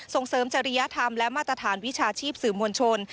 ส่งเสริมจริยธรรมและมาตรฐานวิชาชีพสื่อมวลชน